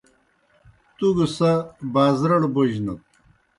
تُوْ گہ سہ بازرَڑ بوجنَت۔